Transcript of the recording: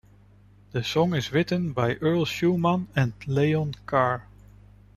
The song is written by Earl Shuman and Leon Carr.